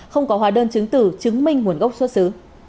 không có hóa đơn chứng tử chứng minh nguồn gốc xuất xứ